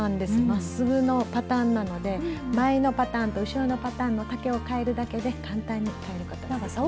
まっすぐのパターンなので前のパターンと後ろのパターンの丈をかえるだけで簡単にかえることができます。